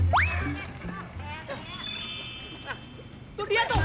tunggu dia tuh